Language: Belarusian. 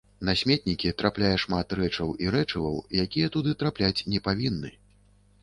На сметнікі трапляе шмат рэчаў і рэчываў, якія туды трапляць не павінны.